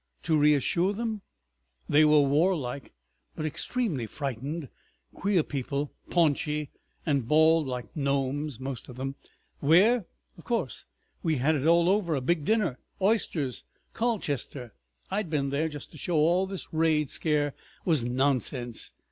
—to reassure them. They were warlike but extremely frightened. Queer people—paunchy and bald like gnomes, most of them. Where? Of course! We had it all over—a big dinner—oysters!—Colchester. I'd been there, just to show all this raid scare was nonsense.